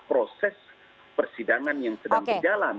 proses persidangan yang sedang berjalan